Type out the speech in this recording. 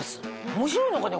面白いのかね？